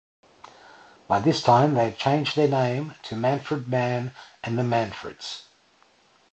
By this time they had changed their name to Manfred Mann and the Manfreds.